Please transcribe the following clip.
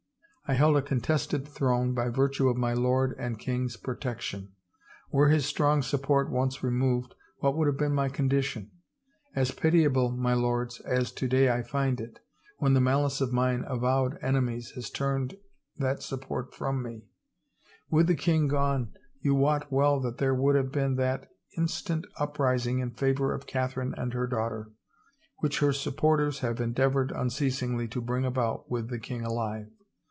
I held a contested throne by virtue of my lord and king's pro tection. Were his strong support once removed what would have been my condition? As pitiable, my lords, as to day I find it, when the malice of mine avowed ene mies has turned that support from me I With the king gone, you wot well that there would have been that in 357 THE FAVOR OF KINGS stant uprising in favor of Catherine and her daughter, which her supporters have endeavored unceasingly to bring about with the king alive.